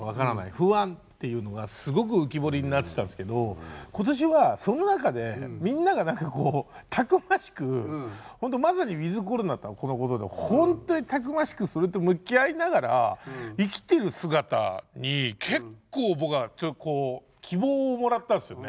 不安っていうのがすごく浮き彫りになってたんですけど今年はその中でみんなが何かこうたくましくほんとまさにウィズコロナとはこのことでほんとにたくましくそれと向き合いながら生きてる姿に結構僕はこう希望をもらったんですよね。